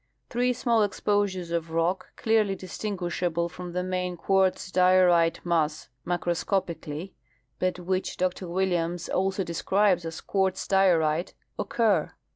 Three small exposures of rock, clearly distinguishal^le from the main quartz diorite mass raacroscopically, but Avhich Dr Williams also describes as quartz diorite, occur.